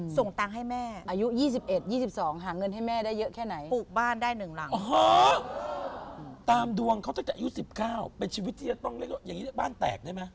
ก็จะอายุ๑๙เป็นชีวิตที่เราต้องเรียกว่าอย่างนี้เรียกว่าบ้านแตกได้ไหม